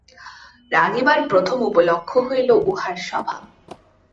রাগিবার প্রথম উপলক্ষ হইল উহার স্বভাব।